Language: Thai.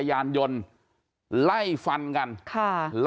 พอดิพอดิคั่ว